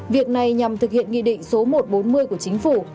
việc này nhằm thực hiện nghị định số một trăm bốn mươi của chính phủ